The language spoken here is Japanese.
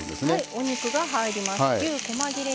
お肉が入りました。